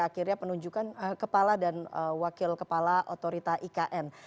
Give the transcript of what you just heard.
akhirnya penunjukan kepala dan wakil kepala otorita ikn